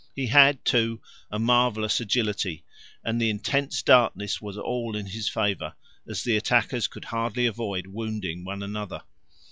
He had, too, a marvellous agility, and the intense darkness was all in his favour, as the attackers could hardly avoid wounding one another.